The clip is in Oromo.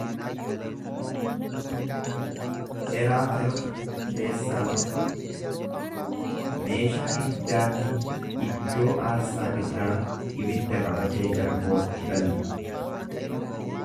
Eraafelota keessaa tokko meeshaa ibiddaatiin iddoo aarsaa irraa ibidda qabatee gara kootti balali'e.